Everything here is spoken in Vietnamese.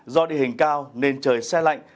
do địa hình cao nên trời xe lạnh